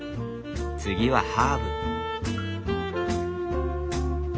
次はハーブ。